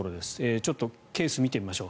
ちょっとケースを見てみましょう。